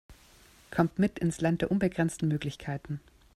Kommt mit ins Land der unbegrenzten Möglichkeiten!